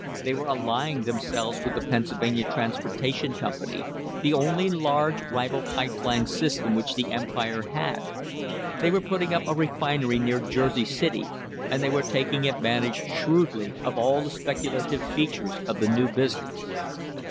They were allying themselves with the Pennsylvania Transportation Company, the only large rival pipe line system which the Empire had. They were putting up a refinery near Jersey City and they were taking advantage shrewdly of all the specula tivc features of the new business.